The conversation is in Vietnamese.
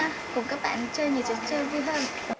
em muốn ra cùng các bạn chơi những trò chơi vui hơn